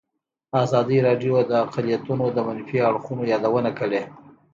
ازادي راډیو د اقلیتونه د منفي اړخونو یادونه کړې.